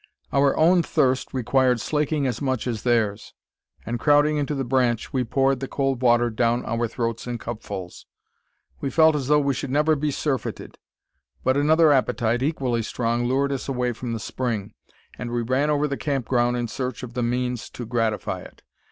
Our own thirst required slaking as much as theirs; and, crowding into the branch, we poured the cold water down our throats in cupfuls. We felt as though we should never be surfeited; but another appetite, equally strong, lured us away from the spring; and we ran over the camp ground in search of the means to gratify it.